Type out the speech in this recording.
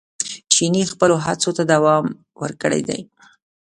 چیني خپلو هڅو ته دوام ورکړی دی.